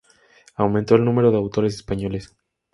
Aumentó el número de autores españoles.